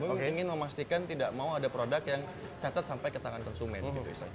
ingin memastikan tidak mau ada produk yang catat sampai ke tangan konsumen